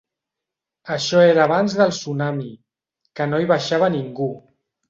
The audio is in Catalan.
Això era abans del tsunami, que no hi baixava ningú.